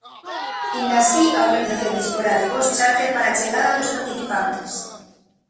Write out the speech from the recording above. Aínda así a organización disporá de voos chárter para a chegada dos participantes.